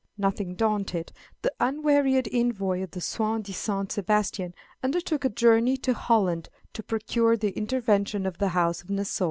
Nothing daunted, the unwearied envoy of the soi disant Sebastian undertook a journey to Holland to procure the intervention of the House of Nassau.